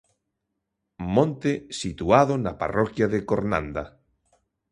Monte situado na parroquia de Cornanda.